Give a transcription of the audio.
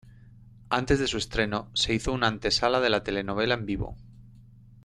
Antes de su estreno se hizo una antesala de la telenovela en vivo.